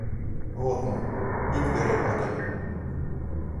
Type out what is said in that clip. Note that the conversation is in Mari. Вот мо, ик вере колтем.